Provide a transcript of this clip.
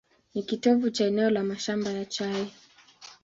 Ni kitovu cha eneo la mashamba ya chai.